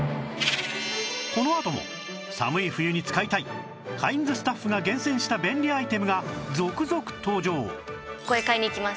このあとも寒い冬に使いたいカインズスタッフが厳選した便利アイテムが続々登場！